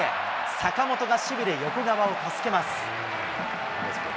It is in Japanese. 坂本が守備で横川を助けます。